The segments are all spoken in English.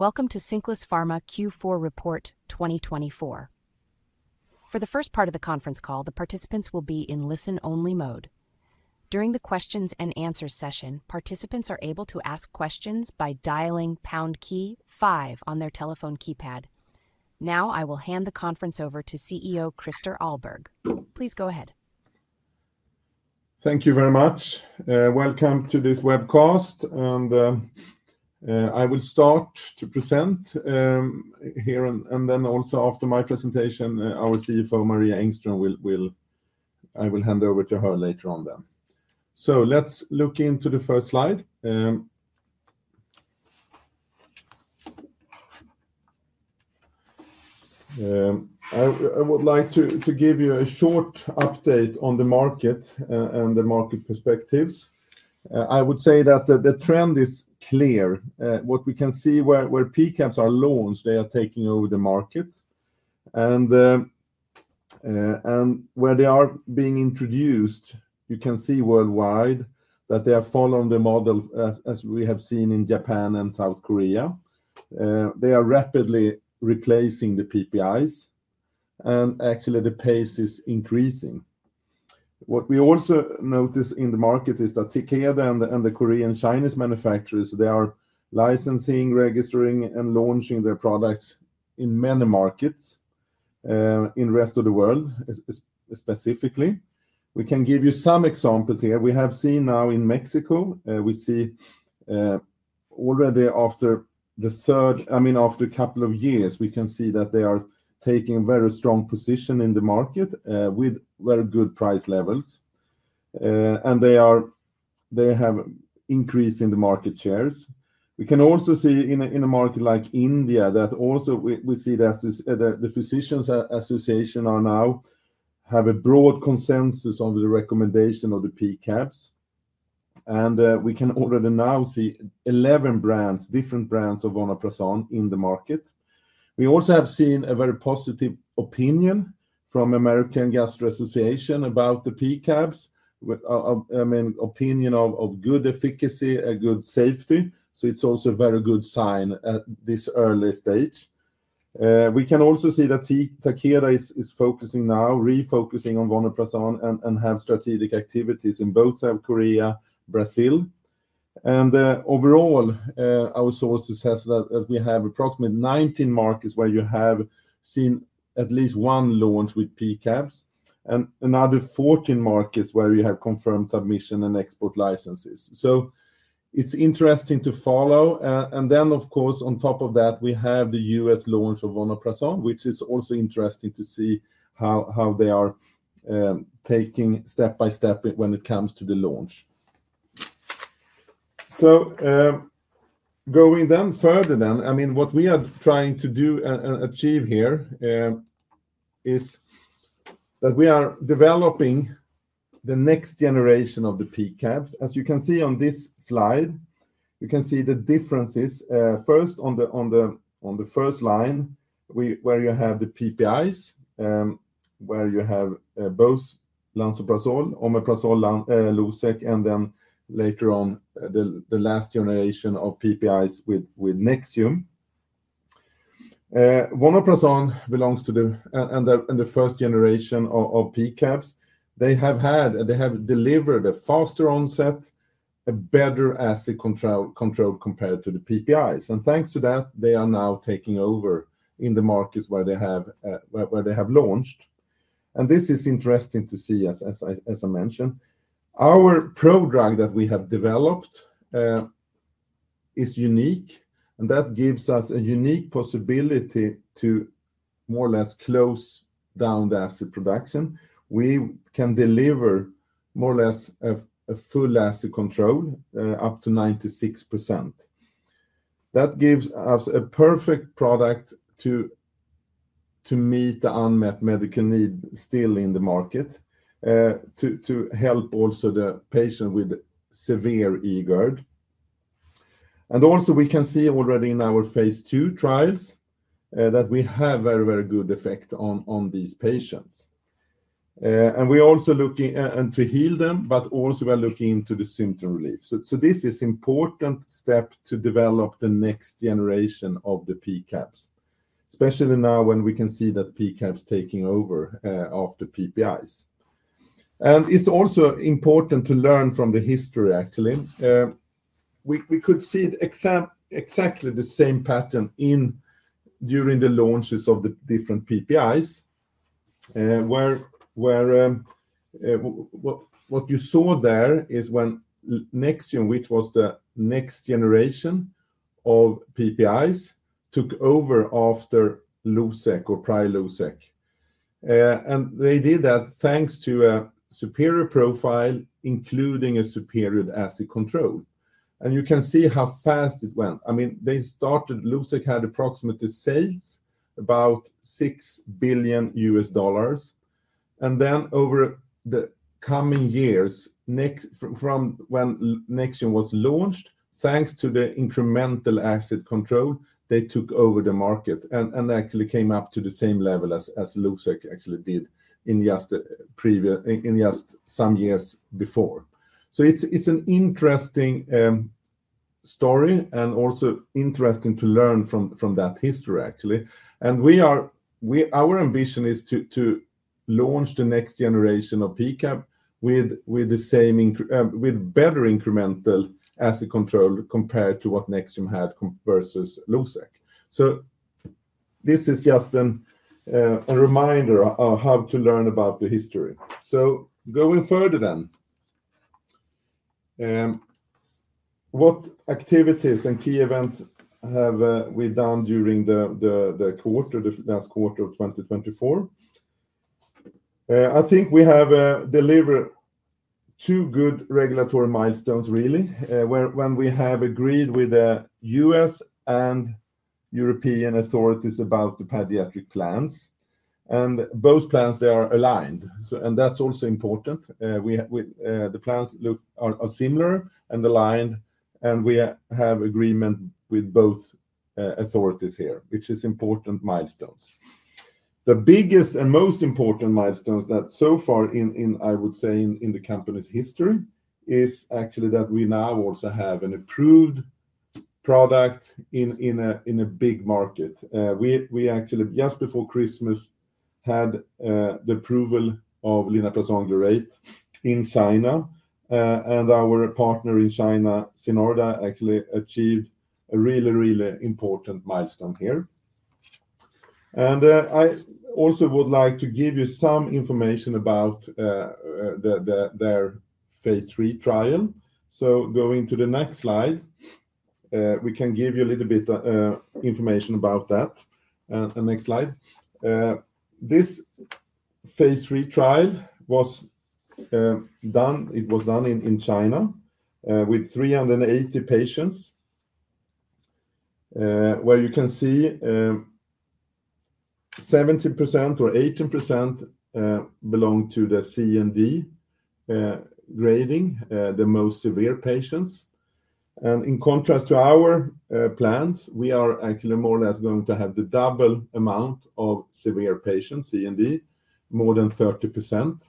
Welcome to Cinclus Pharma Q4 Report 2024. For the first part of the conference call, the participants will be in listen-only mode. During the questions and answer session, participants are able to ask questions by dialing pound key five on their telephone keypad. Now, I will hand the conference over to CEO Christer Ahlberg. Please go ahead. Thank you very much. Welcome to this webcast, and I will start to present here, and then also after my presentation, our CFO, Maria Engström, I will hand over to her later on. Let's look into the first slide. I would like to give you a short update on the market and the market perspectives. I would say that the trend is clear. What we can see, where PCABs are launched, they are taking over the market. Where they are being introduced, you can see worldwide that they are following the model as we have seen in Japan and South Korea. They are rapidly replacing the PPIs, and actually the pace is increasing. What we also notice in the market is that Takeda and the Korean-Chinese manufacturers, they are licensing, registering, and launching their products in many markets, in the rest of the world specifically. We can give you some examples here. We have seen now in Mexico, we see already after the third, I mean, after a couple of years, we can see that they are taking a very strong position in the market with very good price levels, and they have increased in the market shares. We can also see in a market like India that also we see that the Physicians Association now have a broad consensus on the recommendation of the PCABs. I mean, we can already now see 11 brands, different brands of vonoprazan in the market. We also have seen a very positive opinion from the American Gastro Association about the PCABs, I mean, opinion of good efficacy, good safety. It is also a very good sign at this early stage. We can also see that Takeda is focusing now, refocusing on vonoprazan and has strategic activities in both South Korea and Brazil. Overall, our sources say that we have approximately 19 markets where you have seen at least one launch with PCABs, and another 14 markets where you have confirmed submission and export licenses. It is interesting to follow. Of course, on top of that, we have the U.S. launch of vonoprazan, which is also interesting to see how they are taking step by step when it comes to the launch. Going further then, I mean, what we are trying to do and achieve here is that we are developing the next generation of the PCABs. As you can see on this slide, you can see the differences. First, on the first line, where you have the PPIs, where you have both lansoprazole, omeprazole, Losec, and then later on the last generation of PPIs with Nexium. Vonoprazan belongs to the first generation of PCABs. They have had, they have delivered a faster onset, a better acid control compared to the PPIs. Thanks to that, they are now taking over in the markets where they have launched. This is interesting to see, as I mentioned. Our prodrug that we have developed is unique, and that gives us a unique possibility to more or less close down the acid production. We can deliver more or less a full acid control up to 96%. That gives us a perfect product to meet the unmet medical need still in the market, to help also the patient with severe eGERD. We can see already in our Phase II trials that we have very, very good effect on these patients. We are also looking to heal them, but also we are looking into the symptom relief. This is an important step to develop the next generation of the PCABs, especially now when we can see that PCABs are taking over after PPIs. It is also important to learn from the history, actually. We could see exactly the same pattern during the launches of the different PPIs, where what you saw there is when Nexium, which was the next generation of PPIs, took over after Losec or Prilosec. They did that thanks to a superior profile, including a superior acid control. You can see how fast it went. I mean, they started, Losec had approximately sales about $6 billion. Over the coming years, from when Nexium was launched, thanks to the incremental acid control, they took over the market and actually came up to the same level as Losec actually did in just some years before. It is an interesting story and also interesting to learn from that history, actually. Our ambition is to launch the next generation of PCAB with better incremental acid control compared to what Nexium had versus Losec. This is just a reminder of how to learn about the history. Going further then, what activities and key events have we done during the last quarter of 2024? I think we have delivered two good regulatory milestones, really, when we have agreed with the U.S. and European authorities about the pediatric plans. Both plans, they are aligned. That is also important. The plans are similar and aligned, and we have agreement with both authorities here, which is important milestones. The biggest and most important milestones that so far, I would say, in the company's history is actually that we now also have an approved product in a big market. We actually, just before Christmas, had the approval of linaprazan glurate in China, and our partner in China, Sinorda, actually achieved a really, really important milestone here. I also would like to give you some information about their Phase III trial. Going to the next slide, we can give you a little bit of information about that. Next slide. This Phase III trial was done, it was done in China with 380 patients, where you can see 70% or 18% belong to the C and D grading, the most severe patients. In contrast to our plans, we are actually more or less going to have the double amount of severe patients, C and D, more than 30%.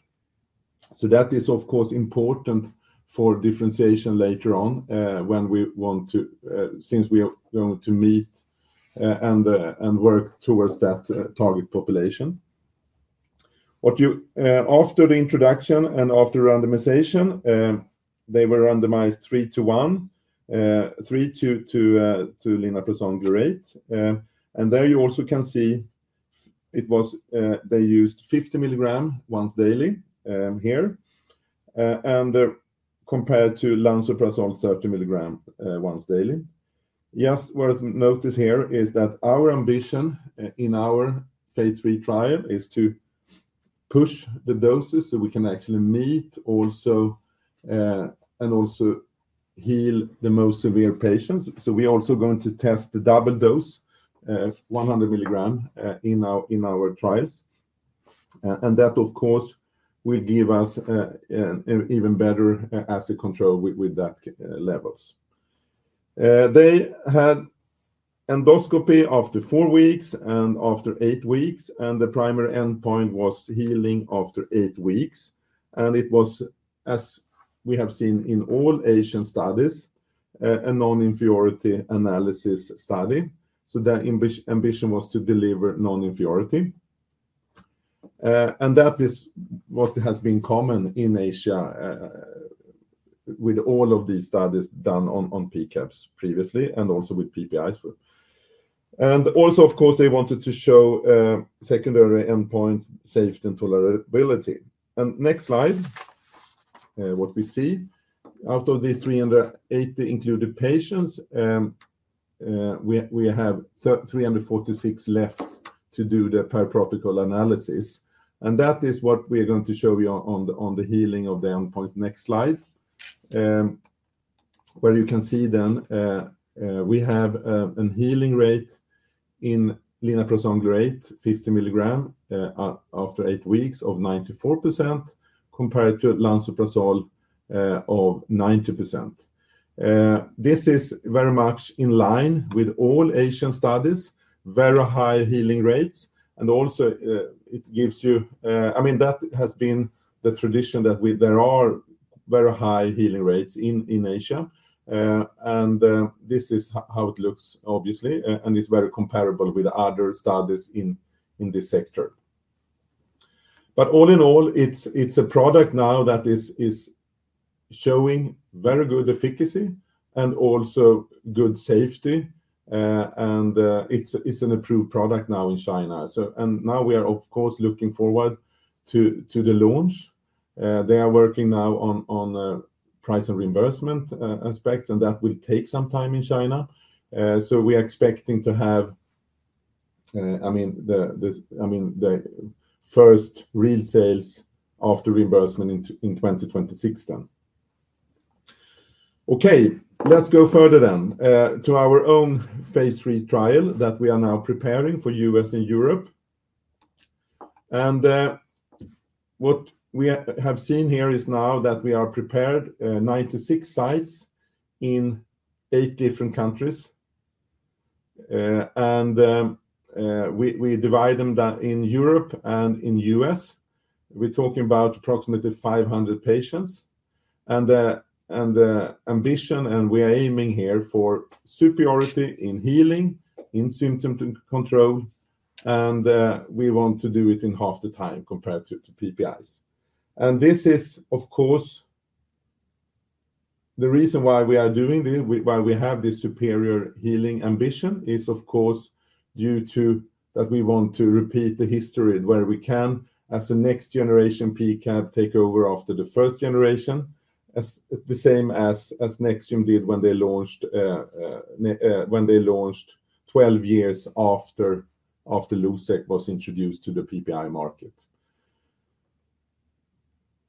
That is, of course, important for differentiation later on when we want to, since we are going to meet and work towards that target population. After the introduction and after randomization, they were randomized three to one, three to linaprazan glurate. There you also can see it was they used 50 mg once daily here, and compared to lansoprazole 30 mg once daily. Just worth notice here is that our ambition in our Phase III trial is to push the doses so we can actually meet also and also heal the most severe patients. We are also going to test the double dose, 100 mg in our trials. That, of course, will give us an even better acid control with that levels. They had endoscopy after four weeks and after eight weeks, and the primary endpoint was healing after eight weeks. It was, as we have seen in all Asian studies, a non-inferiority analysis study. The ambition was to deliver non-inferiority. That is what has been common in Asia with all of these studies done on PCABs previously and also with PPIs. Of course, they wanted to show secondary endpoint safety and tolerability. Next slide, what we see out of the 380 included patients, we have 346 left to do the per protocol analysis. That is what we are going to show you on the healing of the endpoint. Next slide, where you can see then we have a healing rate in linaprazan glurate, 50 mg after eight weeks of 94% compared to lansoprazole of 90%. This is very much in line with all Asian studies, very high healing rates, and also it gives you, I mean, that has been the tradition that there are very high healing rates in Asia. This is how it looks, obviously, and it's very comparable with other studies in this sector. All in all, it's a product now that is showing very good efficacy and also good safety, and it's an approved product now in China. We are, of course, looking forward to the launch. They are working now on price and reimbursement aspects, and that will take some time in China. We are expecting to have, I mean, the first real sales after reimbursement in 2026 then. Okay, let's go further then to our own Phase III trial that we are now preparing for the U.S. and Europe. What we have seen here is now that we are prepared 96 sites in eight different countries. We divide them in Europe and in the U.S. We're talking about approximately 500 patients. The ambition, and we are aiming here for superiority in healing, in symptom control, and we want to do it in half the time compared to PPIs. This is, of course, the reason why we are doing this, why we have this superior healing ambition is, of course, due to that we want to repeat the history where we can, as a next generation PCAB, take over after the first generation, the same as Nexium did when they launched 12 years after Losec was introduced to the PPI market.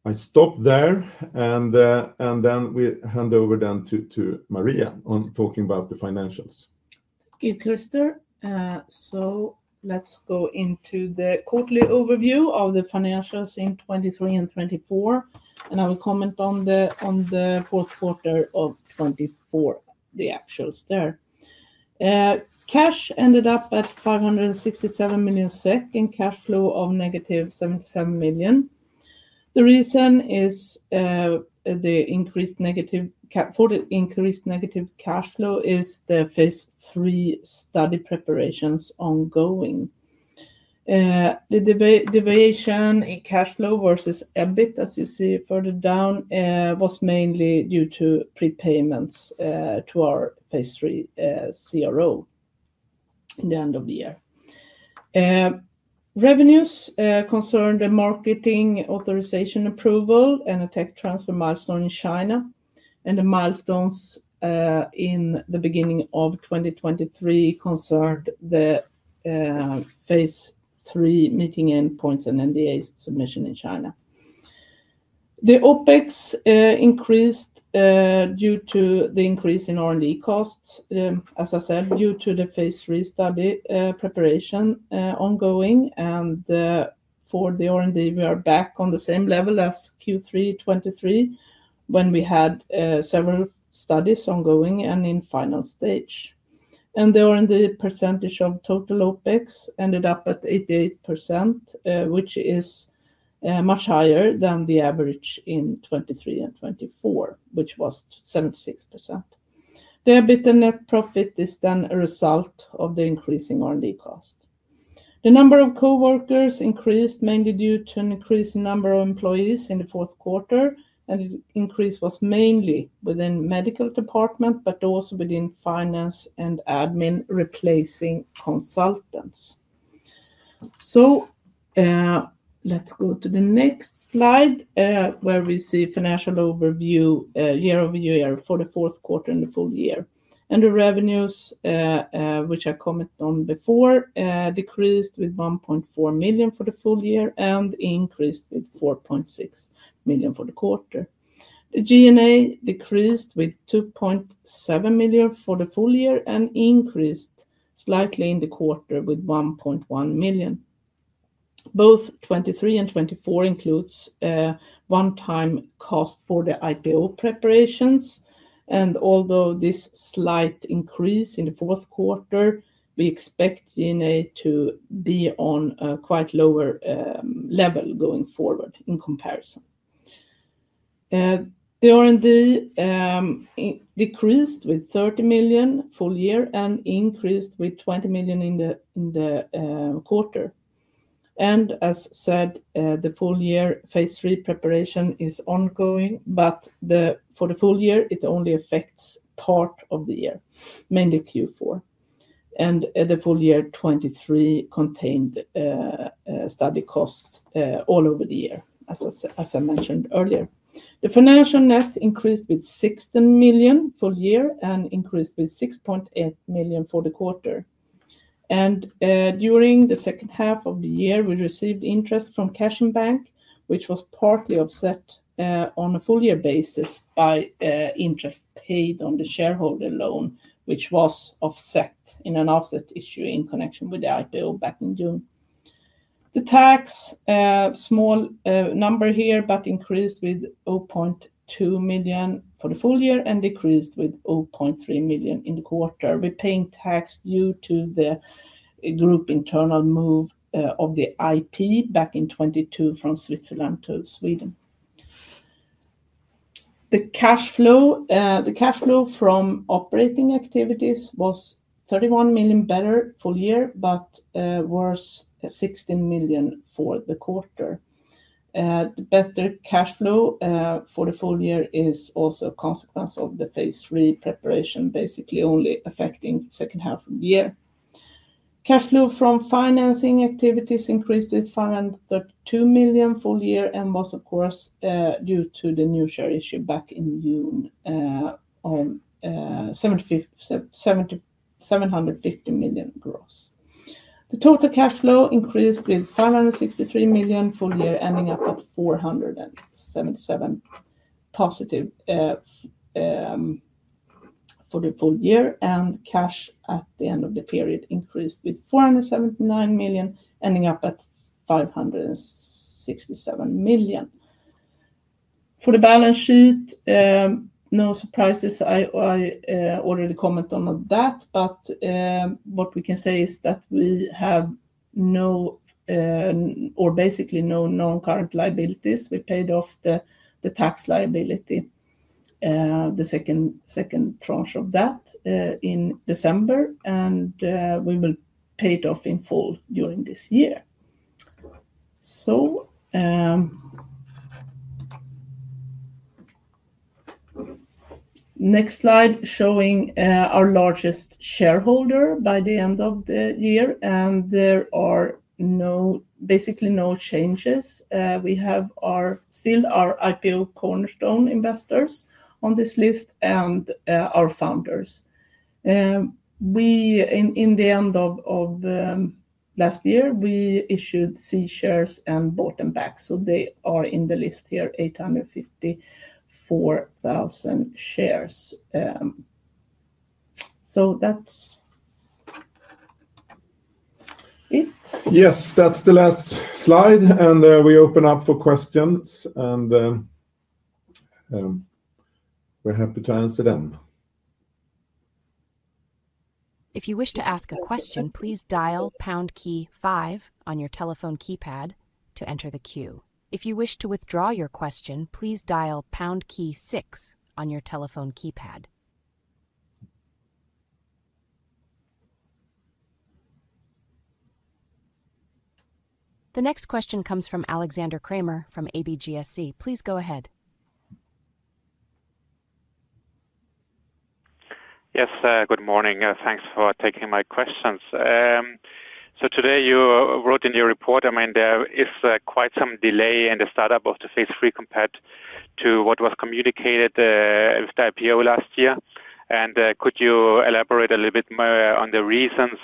I stop there, and then we hand over then to Maria on talking about the financials. Thank you, Christer. Let's go into the quarterly overview of the financials in 2023 and 2024, and I will comment on the fourth quarter of 2024, the actuals there. Cash ended up at 567 million SEK in cash flow of negative 77 million. The reason is the increased negative cash flow is the Phase III study preparations ongoing. The deviation in cash flow versus EBIT, as you see further down, was mainly due to prepayments to our Phase III CRO in the end of the year. Revenues concerned the marketing authorization approval and a tech transfer milestone in China, and the milestones in the beginning of 2023 concerned the Phase III meeting endpoints and NDA submission in China. The OpEx increased due to the increase in R&D costs, as I said, due to the Phase III study preparation ongoing. For the R&D, we are back on the same level as Q3 2023 when we had several studies ongoing and in final stage. The R&D percentage of total OpEx ended up at 88%, which is much higher than the average in 2023 and 2024, which was 76%. The EBITDA net profit is then a result of the increasing R&D cost. The number of coworkers increased mainly due to an increase in number of employees in the fourth quarter, and the increase was mainly within the medical department, but also within finance and admin replacing consultants. Let's go to the next slide where we see financial overview year over year for the fourth quarter and the full year. The revenues, which I commented on before, decreased with 1.4 million for the full year and increased with 4.6 million for the quarter. The G&A decreased with 2.7 million for the full year and increased slightly in the quarter with 1.1 million. Both 2023 and 2024 include one-time cost for the IPO preparations. Although this slight increase in the fourth quarter, we expect G&A to be on a quite lower level going forward in comparison. The R&D decreased with 30 million full year and increased with 20 million in the quarter. As said, the full year Phase III preparation is ongoing, but for the full year, it only affects part of the year, mainly Q4. The full year 2023 contained study costs all over the year, as I mentioned earlier. The financial net increased with 16 million full year and increased with 6.8 million for the quarter. During the second half of the year, we received interest from Cash & Bank, which was partly offset on a full year basis by interest paid on the shareholder loan, which was offset in an offset issue in connection with the IPO back in June. The tax, small number here, but increased with 0.2 million for the full year and decreased with 0.3 million in the quarter. We paid tax due to the group internal move of the IP back in 2022 from Switzerland to Sweden. The cash flow from operating activities was 31 million better full year, but worse 16 million for the quarter. The better cash flow for the full year is also a consequence of the Phase III preparation, basically only affecting the second half of the year. Cash flow from financing activities increased with 532 million full year and was, of course, due to the new share issue back in June on 750 million gross. The total cash flow increased with 563 million full year, ending up at 477 million positive for the full year, and cash at the end of the period increased with 479 million, ending up at 567 million. For the balance sheet, no surprises. I already commented on that, but what we can say is that we have no, or basically no non-current liabilities. We paid off the tax liability, the second tranche of that in December, and we will pay it off in full during this year. Next slide showing our largest shareholder by the end of the year, and there are basically no changes. We have still our IPO cornerstone investors on this list and our founders. In the end of last year, we issued C shares and bought them back. So they are in the list here, 854,000 shares. That's it. Yes, that's the last slide, and we open up for questions, and we're happy to answer them. If you wish to ask a question, please dial pound key five on your telephone keypad to enter the queue. If you wish to withdraw your question, please dial pound key six on your telephone keypad. The next question comes from Alexander Krämer from ABGSC. Please go ahead. Yes, good morning. Thanks for taking my questions. Today you wrote in your report, I mean, there is quite some delay in the startup of the Phase III compared to what was communicated with the IPO last year. Could you elaborate a little bit more on the reasons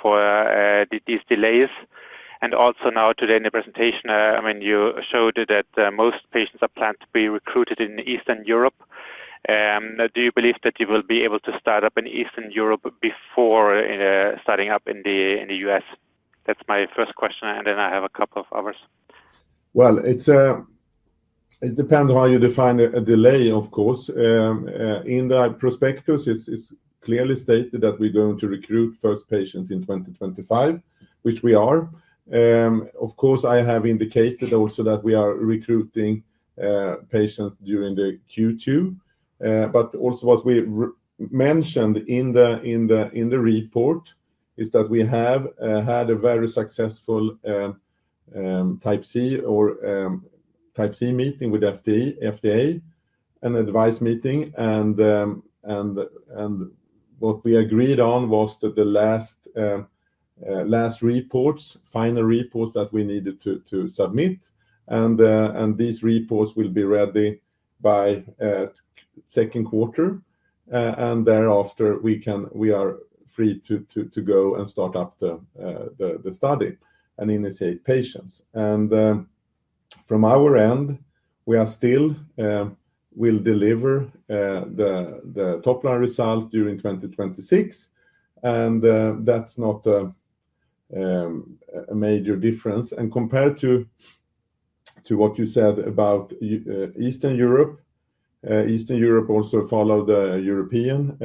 for these delays? Also now today in the presentation, I mean, you showed that most patients are planned to be recruited in Eastern Europe. Do you believe that you will be able to start up in Eastern Europe before starting up in the U.S.? That's my first question, and then I have a couple of others. It depends on how you define a delay, of course. In the prospectus, it's clearly stated that we're going to recruit first patients in 2025, which we are. I have indicated also that we are recruiting patients during Q2. What we mentioned in the report is that we have had a very successful Type C or Type C meeting with FDA, an advice meeting. What we agreed on was that the last reports, final reports that we needed to submit, and these reports will be ready by second quarter. Thereafter, we are free to go and start up the study and initiate patients. From our end, we still will deliver the top line results during 2026, and that's not a major difference. Compared to what you said about Eastern Europe, Eastern Europe also follows the European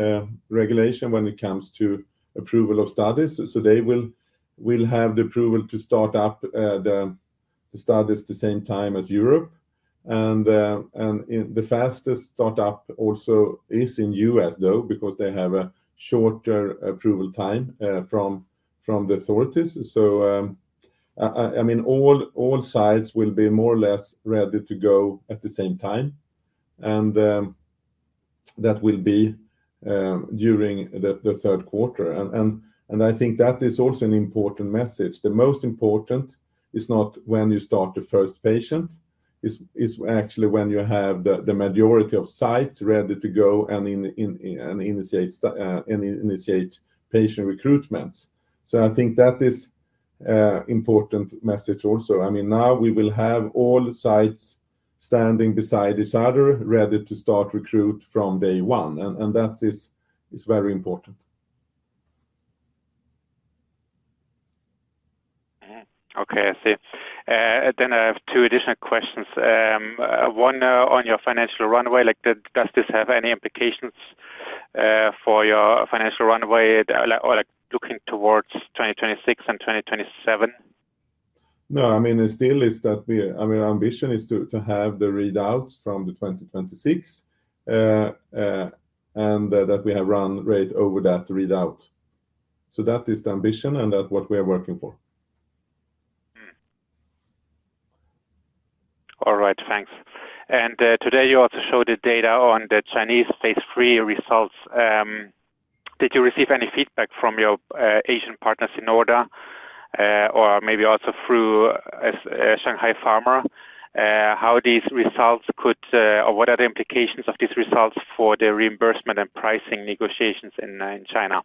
regulation when it comes to approval of studies. They will have the approval to start up the studies at the same time as Europe. The fastest startup also is in the U.S., though, because they have a shorter approval time from the authorities. I mean, all sites will be more or less ready to go at the same time, and that will be during the third quarter. I think that is also an important message. The most important is not when you start the first patient, it's actually when you have the majority of sites ready to go and initiate patient recruitments. I think that is an important message also. I mean, now we will have all sites standing beside each other ready to start recruit from day one, and that is very important. Okay, I see. I have two additional questions. One on your financial runway, does this have any implications for your financial runway looking towards 2026 and 2027? No, I mean, still is that our ambition is to have the readouts from the 2026 and that we have run rate over that readout. That is the ambition and that's what we are working for. All right, thanks. Today you also showed the data on the Chinese Phase III results. Did you receive any feedback from your Asian partners in Sinorda or maybe also through Shanghai Pharma? How these results could, or what are the implications of these results for the reimbursement and pricing negotiations in China?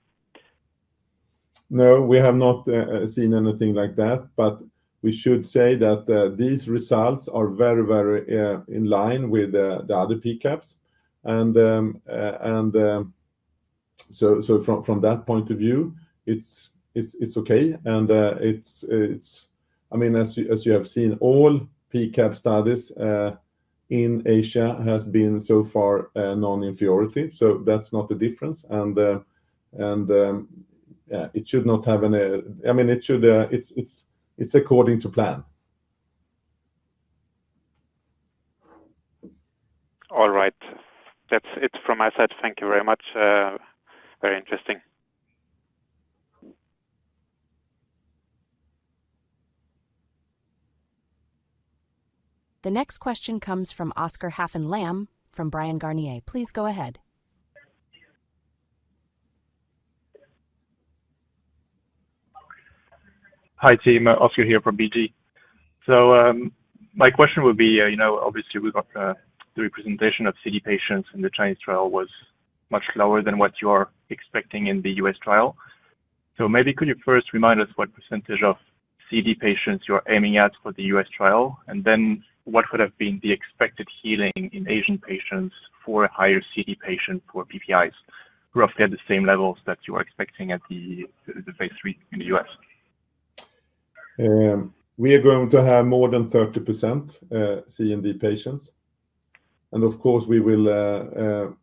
No, we have not seen anything like that, but we should say that these results are very, very in line with the other PCABs. From that point of view, it's okay. I mean, as you have seen, all PCAB studies in Asia have been so far non-inferiority. That is not the difference. It should not have any, I mean, it's according to plan. All right. That's it from my side. Thank you very much. Very interesting. The next question comes from Oscar Haffen Lamm from Bryan Garnier. Please go ahead. Hi, team. Oscar here from BG. My question would be, obviously, we got the representation of C and D patients in the Chinese trial was much lower than what you are expecting in the U.S. trial. Maybe could you first remind us what percentage of C and D patients you are aiming at for the U.S. trial? What would have been the expected healing in Asian patients for a higher C and D patient for PPIs, roughly at the same levels that you are expecting at the Phase III in the U.S.? We are going to have more than 30% C and D patients. Of course, we will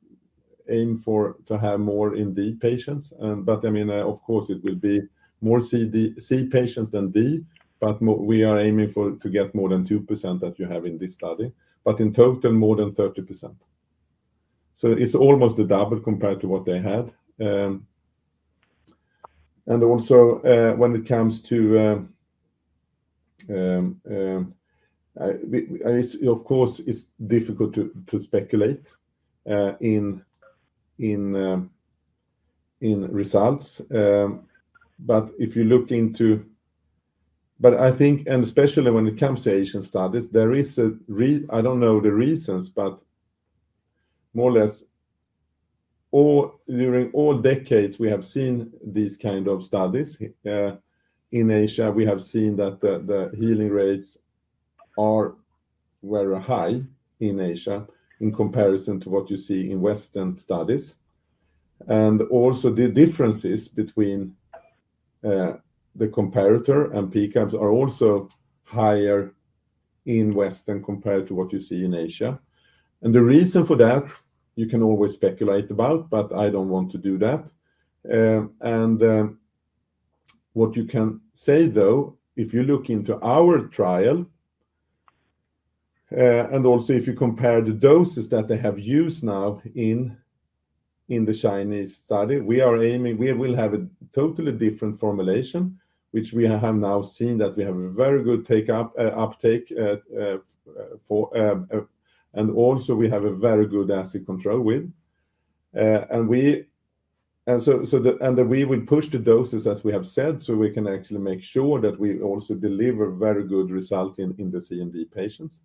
aim to have more in D patients. I mean, of course, it will be more C patients than D, but we are aiming to get more than 2% that you have in this study, but in total, more than 30%. It is almost the double compared to what they had. Also, when it comes to, of course, it is difficult to speculate in results. If you look into, I think, and especially when it comes to Asian studies, there is a, I do not know the reasons, but more or less, during all decades, we have seen these kind of studies in Asia. We have seen that the healing rates are very high in Asia in comparison to what you see in Western studies. Also, the differences between the comparator and PCABs are higher in Western compared to what you see in Asia. The reason for that, you can always speculate about, but I do not want to do that. What you can say, though, if you look into our trial, and also if you compare the doses that they have used now in the Chinese study, we will have a totally different formulation, which we have now seen that we have a very good uptake, and also we have a very good acid control with. We would push the doses, as we have said, so we can actually make sure that we also deliver very good results in the C and D patients,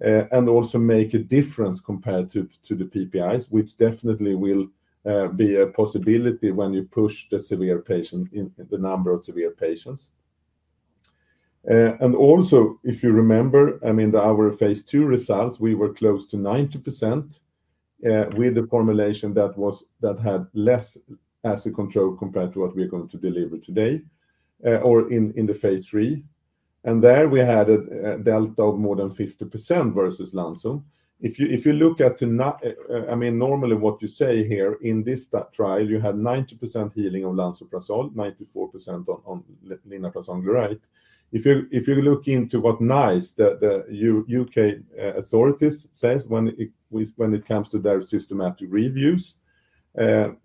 and also make a difference compared to the PPIs, which definitely will be a possibility when you push the severe patient, the number of severe patients. Also, if you remember, I mean, our Phase II results, we were close to 90% with the formulation that had less acid control compared to what we are going to deliver today, or in the Phase III. There we had a delta of more than 50% versus lansoprazole. If you look at, I mean, normally what you say here in this trial, you had 90% healing of lansoprazole, 94% on linaprazan glurate. If you look into what NICE, the U.K. authorities say, when it comes to their systematic reviews,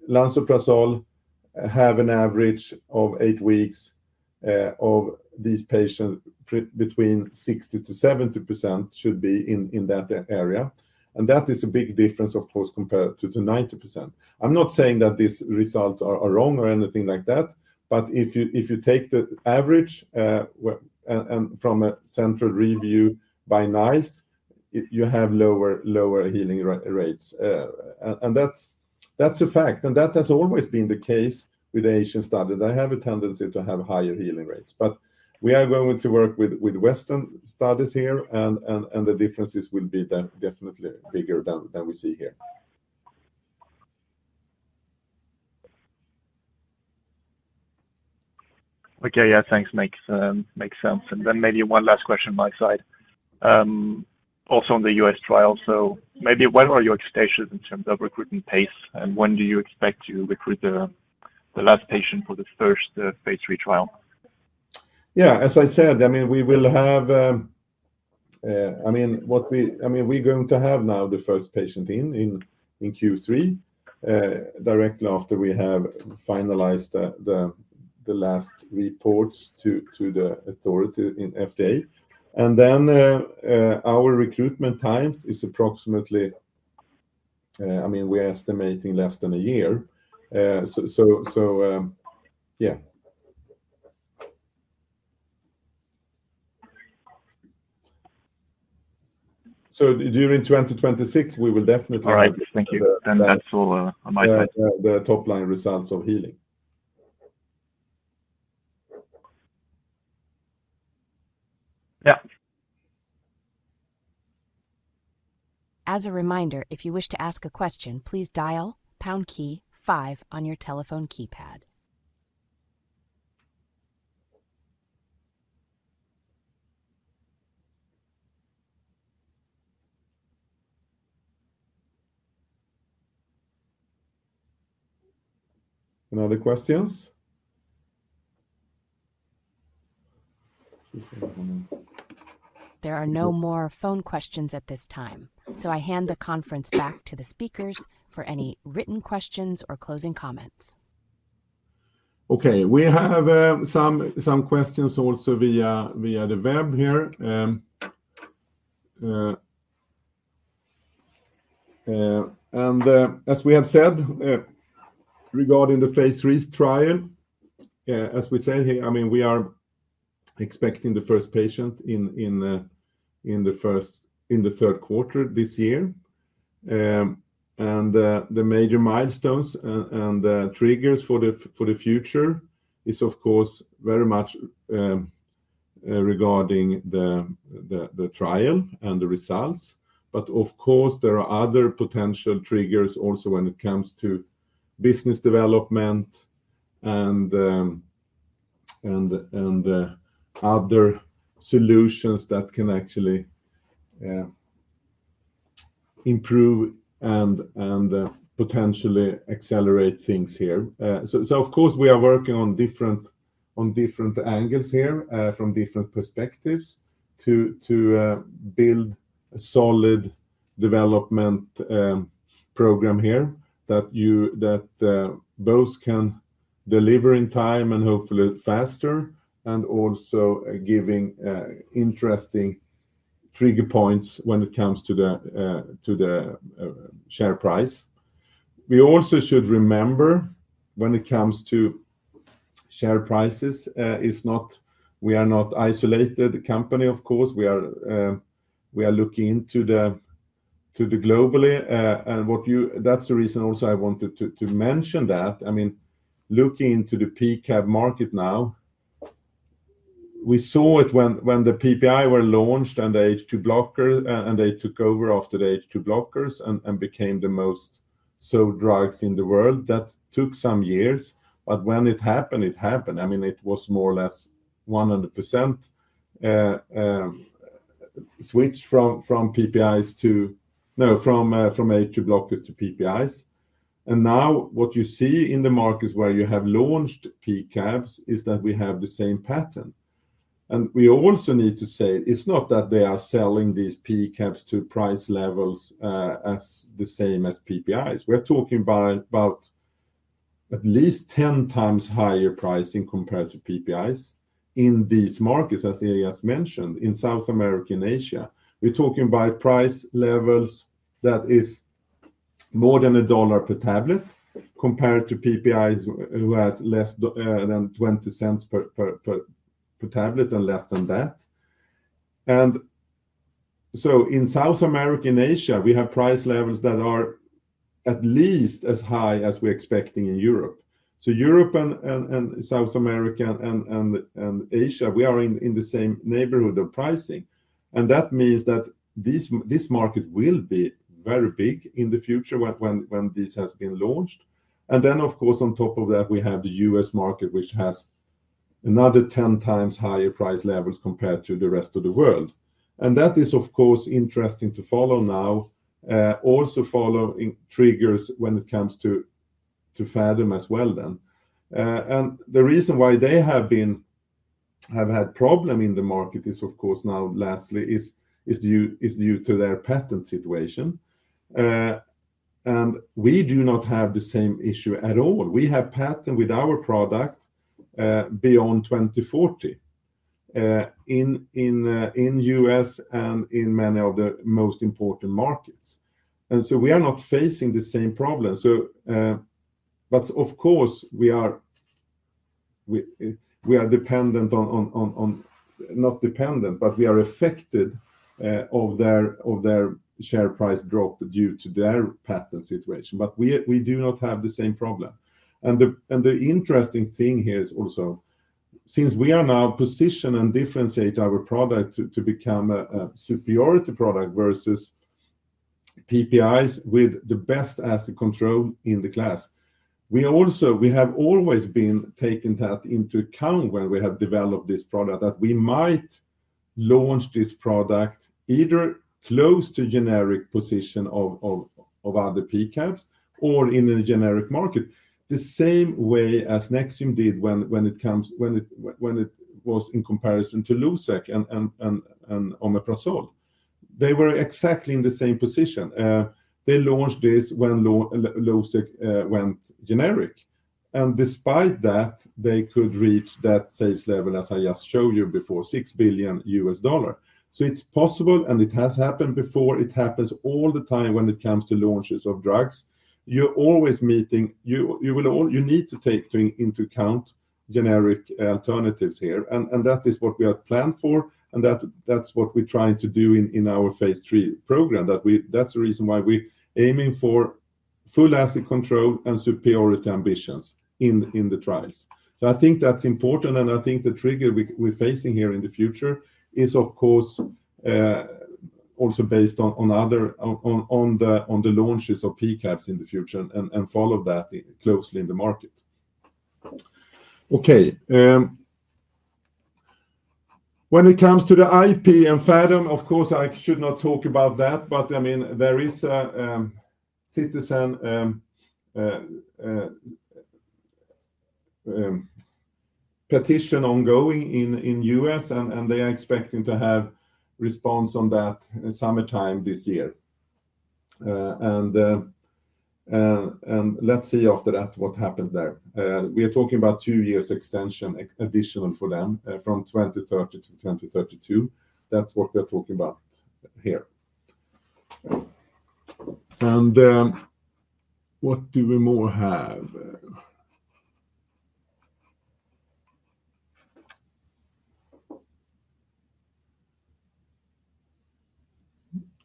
lansoprazole has an average of eight weeks of these patients between 60%-70% should be in that area. That is a big difference, of course, compared to 90%. I'm not saying that these results are wrong or anything like that, but if you take the average from a central review by NICE, you have lower healing rates. That is a fact, and that has always been the case with the Asian studies. They have a tendency to have higher healing rates, but we are going to work with Western studies here, and the differences will be definitely bigger than we see here. Okay, yeah, thanks. Makes sense. Maybe one last question on my side. Also on the U.S. trial, what are your expectations in terms of recruitment pace, and when do you expect to recruit the last patient for the first Phase III trial? Yeah, as I said, I mean, we will have, I mean, what we, I mean, we are going to have now the first patient in Q3 directly after we have finalized the last reports to the authority in FDA. Our recruitment time is approximately, I mean, we are estimating less than a year. So yeah. During 2026, we will definitely have. All right, thank you. That is all on my side. The top line results of healing. Yeah. As a reminder, if you wish to ask a question, please dial pound key five on your telephone keypad. Any other questions? There are no more phone questions at this time, so I hand the conference back to the speakers for any written questions or closing comments. Okay, we have some questions also via the web here. As we have said regarding the Phase III trial, as we say here, I mean, we are expecting the first patient in the third quarter this year. The major milestones and triggers for the future are, of course, very much regarding the trial and the results. Of course, there are other potential triggers also when it comes to business development and other solutions that can actually improve and potentially accelerate things here. Of course, we are working on different angles here from different perspectives to build a solid development program here that both can deliver in time and hopefully faster, and also giving interesting trigger points when it comes to the share price. We also should remember when it comes to share prices, we are not an isolated company, of course. We are looking into this globally. That is the reason also I wanted to mention that. I mean, looking into the PCAB market now, we saw it when the PPIs were launched and the H2 blockers, and they took over after the H2 blockers and became the most sold drugs in the world. That took some years, but when it happened, it happened. I mean, it was more or less 100% switch from PPIs to, no, from H2 blockers to PPIs. Now what you see in the markets where you have launched PCABs is that we have the same pattern. We also need to say it's not that they are selling these PCABs to price levels as the same as PPIs. We're talking about at least 10 times higher pricing compared to PPIs in these markets, as earlier mentioned, in South America and Asia. We're talking about price levels that is more than $1 per tablet compared to PPIs who has less than $0.20 per tablet and less than that. In South America and Asia, we have price levels that are at least as high as we're expecting in Europe. Europe and South America and Asia, we are in the same neighborhood of pricing. That means that this market will be very big in the future when this has been launched. Of course, on top of that, we have the U.S. market, which has another 10 times higher price levels compared to the rest of the world. That is, of course, interesting to follow now, also following triggers when it comes to Phathom as well then. The reason why they have had problems in the market is, of course, now lastly is due to their patent situation. We do not have the same issue at all. We have patent with our product beyond 2040 in the U.S. and in many of the most important markets. We are not facing the same problem. Of course, we are dependent on, not dependent, but we are affected of their share price drop due to their patent situation. We do not have the same problem. The interesting thing here is also, since we are now positioned and differentiate our product to become a superiority product versus PPIs with the best acid control in the class, we have always been taking that into account when we have developed this product that we might launch this product either close to generic position of other PCABs or in a generic market. The same way as Nexium did when it was in comparison to Losec and omeprazole. They were exactly in the same position. They launched this when Losec went generic. Despite that, they could reach that sales level, as I just showed you before, $6 billion. It is possible, and it has happened before. It happens all the time when it comes to launches of drugs. You're always meeting, you need to take into account generic alternatives here. That is what we have planned for, and that's what we're trying to do in our Phase III program. That's the reason why we're aiming for full acid control and superiority ambitions in the trials. I think that's important, and I think the trigger we're facing here in the future is, of course, also based on other launches of PCABs in the future and follow that closely in the market. Okay. When it comes to the IP and Phathom, of course, I should not talk about that, but I mean, there is a citizen petition ongoing in the U.S., and they are expecting to have response on that summertime this year. Let's see after that what happens there. We are talking about two years extension additional for them from 2030 to 2032. That's what we're talking about here. What do we more have?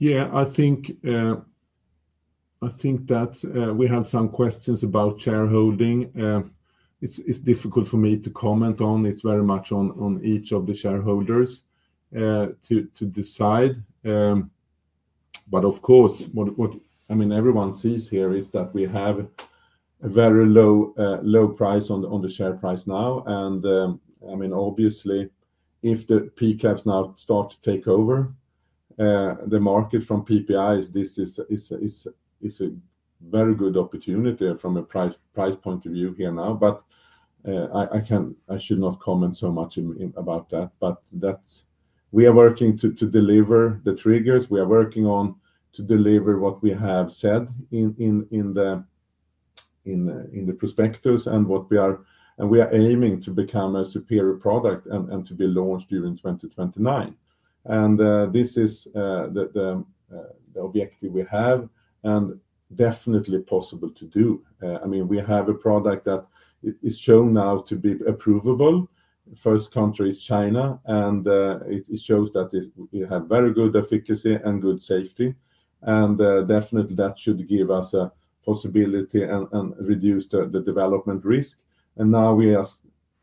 Yeah, I think that we have some questions about shareholding. It's difficult for me to comment on. It's very much on each of the shareholders to decide. Of course, I mean, everyone sees here is that we have a very low price on the share price now. I mean, obviously, if the PCABs now start to take over the market from PPIs, this is a very good opportunity from a price point of view here now. I should not comment so much about that. We are working to deliver the triggers. We are working on to deliver what we have said in the prospectus and what we are, and we are aiming to become a superior product and to be launched during 2029. This is the objective we have and definitely possible to do. I mean, we have a product that is shown now to be approvable. First country is China, and it shows that we have very good efficacy and good safety. Definitely, that should give us a possibility and reduce the development risk. Now we are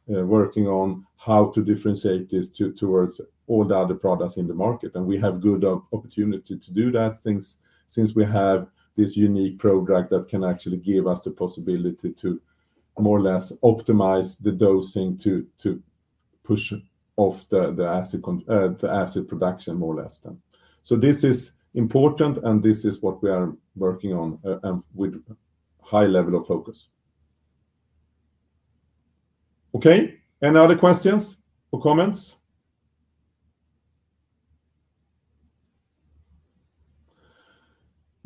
working on how to differentiate this towards all the other products in the market. We have good opportunity to do that since we have this unique product that can actually give us the possibility to more or less optimize the dosing to push off the acid production more or less then. This is important, and this is what we are working on with high level of focus. Okay. Any other questions or comments?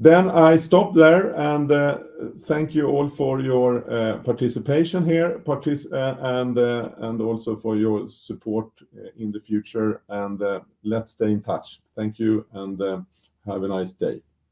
I stop there and thank you all for your participation here and also for your support in the future. Let's stay in touch. Thank you and have a nice day.